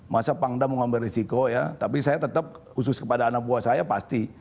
masa pangda mau ngambil resiko ya tapi saya tetap khusus kepada anak buah saya pasti